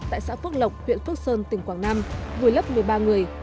tại xã phước lộc huyện phước sơn tỉnh quảng nam vùi lấp một mươi ba người